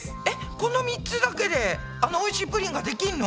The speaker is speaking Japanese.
この３つだけであのおいしいプリンができんの？